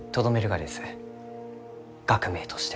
学名として。